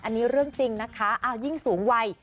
อันนี้เรื่องจริงนะคะยิ่งสูงวัย